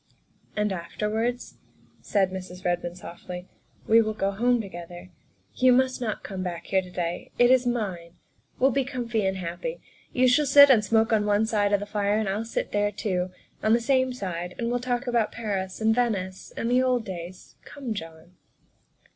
"And afterwards," said Mrs. Redmond softly, " we will go home together; you must not come back here to day it is mine. We'll be comfy and happy. You shall sit and smoke on one side of the fire and I'll sit there too, on the same side, and we'll talk about Paris, and Venice, and the old days. Come, John."